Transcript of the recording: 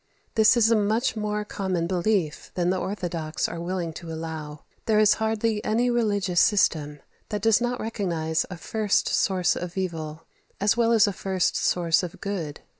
This is a much more common belief than the orthodox are willing to allow. There is hardly any religious system that does not recognize a first source of evil, as well as a first source of good.